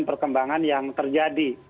perkembangan yang terjadi